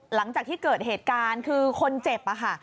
หลังจากที่เกิดเหตุการณ์คือคนเจ็บค่ะ